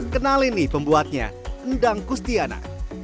kenalin nih pembuatnya endang kustiana